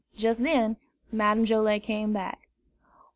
Just then Madame Joilet came back.